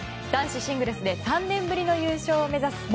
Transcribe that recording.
男子シングルスで３年ぶりの優勝を目指す